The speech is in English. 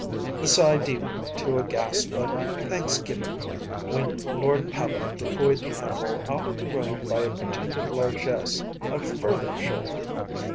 The sigh deepened to a gasp of thanks giving when Lord Pabham decoyed the animal out of the room by a pretended largesse of further sugar.